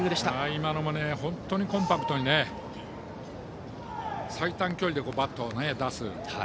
今のも本当にコンパクトに最短距離でバットを出す。